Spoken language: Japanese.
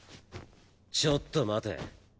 ちょっと待て。